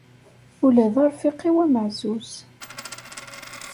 Ula d arfiq-iw ameɛzuz.